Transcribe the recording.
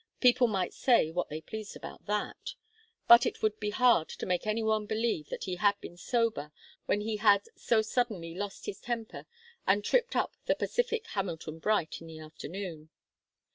People might say what they pleased about that, but it would be hard to make any one believe that he had been sober when he had so suddenly lost his temper and tripped up the pacific Hamilton Bright in the afternoon.